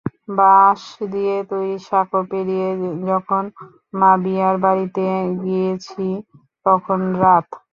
বাঁশ দিয়ে তৈরি সাঁকো পেরিয়ে যখন মাবিয়ার বাড়িতে গিয়েছি, তখন রাত।